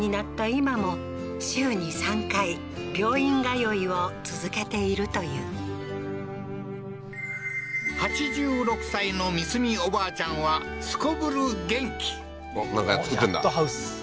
今も週に３回病院通いを続けているという８６歳のミスミおばあちゃんはすこぶる元気なんか作ってんだ